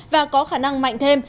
và có khả năng mạnh thêm